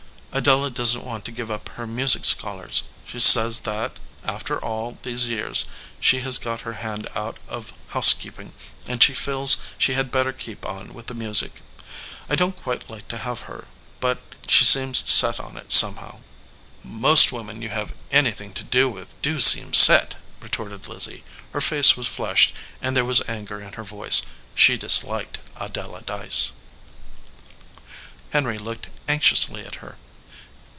Adela doesn t want to give up her music scholars. She says that, after all these years, she has got her hand out of housekeeping, and she feels she had better keep on with the music. I don t 255 EDGEWATER PEOPLE quite like to have her, but she seems set on it, somehow." "Most women you have anything to do with do seem set," retorted Lizzie. Her face was flushed and there was anger in her voice. She disliked Adela Dyce. Henry looked anxiously at her.